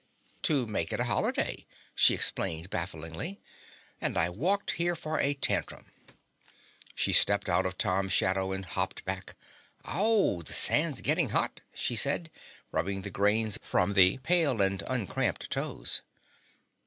"To make it a holiday," she explained bafflingly. "And I walked here for a tantrum." She stepped out of Tom's shadow and hopped back. "Ow, the sand's getting hot," she said, rubbing the grains from the pale and uncramped toes.